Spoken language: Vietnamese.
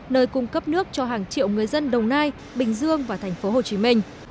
nơi cung cấp nước cho hàng triệu người dân đồng nai bình dương và thành phố hồ chí minh